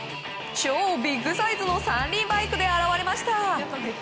超ビッグサイズの３輪バイクで現れました。